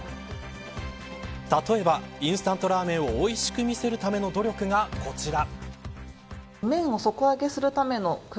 例えば、インスタントラーメンをおいしく見せるための努力がこちら。